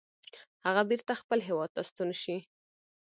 هغه بیرته خپل هیواد ته ستون شي.